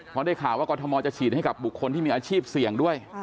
พอได้ข่าวว่ากรทมจะฉีดให้กับบุคคลที่มีอาชีพเสี่ยงด้วย